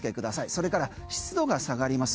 それから湿度が下がります。